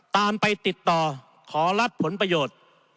ตามไปติดต่อขอรับผลประโยชน์